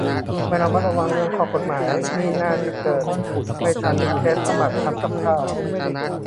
ไม่ระมัดระวังเรื่องข้อกฎหมายนี่น่าจะเกิดไม่ทันเคสสมัครทำกับข้าว